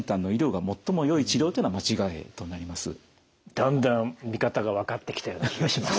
だんだん見方が分かってきたような気がします。